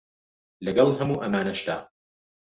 لەگەڵ هەموو ئەمانەشدا